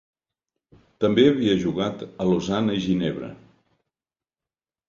També havia jugat a Lausana i Ginebra.